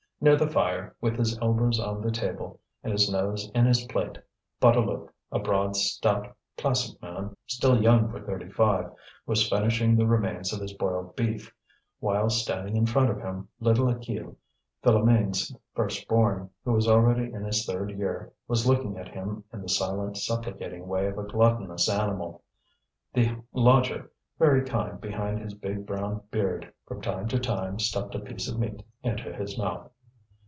Near the fire, with his elbows on the table and his nose in his plate, Bouteloup, a broad stout placid man, still young for thirty five, was finishing the remains of his boiled beef, while standing in front of him, little Achille, Philoméne's first born, who was already in his third year, was looking at him in the silent, supplicating way of a gluttonous animal. The lodger, very kind behind his big brown beard, from time to time stuffed a piece of meat into his mouth.